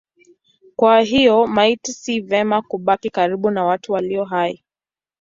Kwa hiyo maiti si vema kubaki karibu na watu walio hai.